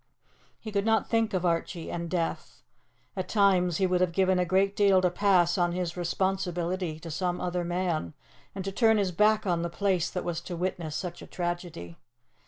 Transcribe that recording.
He could not think of Archie and death. At times he would have given a great deal to pass on his responsibility to some other man, and to turn his back on the place that was to witness such a tragedy.